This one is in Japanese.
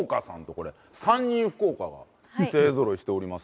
これ３人福岡が勢ぞろいしておりますからね。